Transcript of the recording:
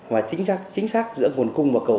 mà chính xác giữa nguồn cung vào cổ